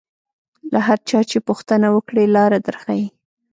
له هر چا چې پوښتنه وکړې لاره در ښیي.